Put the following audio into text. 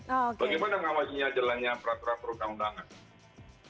bagaimana ngawasinya jalannya peraturan perusahaan undangan